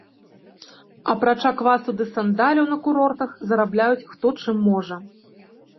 Апрача квасу ды сандаляў на курортах зарабляюць, хто чым можа.